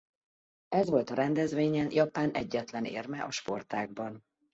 Ez volt a rendezvényen Japán egyetlen érme a sportágban.